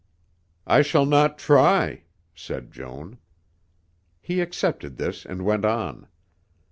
"I shall not try," said Joan. He accepted this and went on.